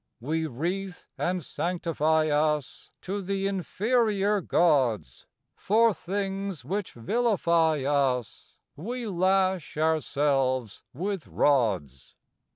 We wreath and sanctify us To the inferior gods; For things which vilify us We lash ourselves with rods.